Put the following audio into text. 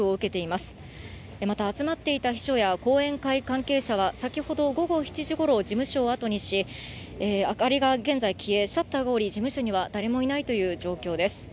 また集まっていた秘書や後援会関係者は、先ほど午後７時ごろ、事務所を後にし、明かりが現在消え、シャッターが下り、事務所には誰もいないという状況です。